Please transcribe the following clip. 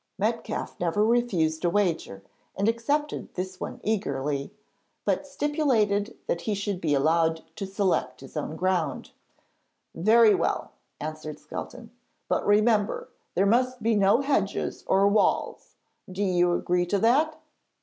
Metcalfe never refused a wager and accepted this one eagerly, but stipulated that he should be allowed to select his own ground. 'Very well,' answered Skelton; 'but remember there must be no hedges or walls. Do you agree to that?'